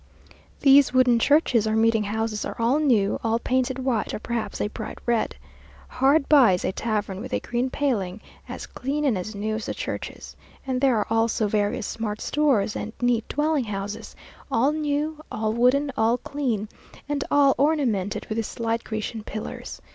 These wooden churches or meeting houses are all new, all painted white, or perhaps a bright red. Hard by is a tavern with a green paling, as clean and as new as the churches, and there are also various smart stores and neat dwelling houses; all new, all wooden, all clean, and all ornamented with slight Grecian pillars.